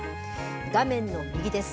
画面の右です。